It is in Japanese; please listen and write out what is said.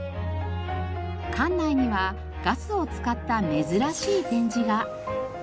館内にはガスを使った珍しい展示が。